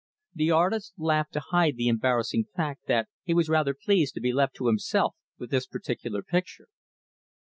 The artist laughed to hide the embarrassing fact that he was rather pleased to be left to himself with this particular picture.